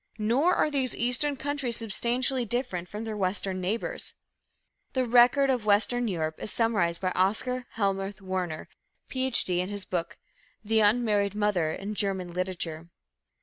Nor are these Eastern countries substantially different from their Western neighbors. The record of Western Europe is summarized by Oscar Helmuth Werner, Ph.D., in his book, _"The Unmarried Mother in German Literature."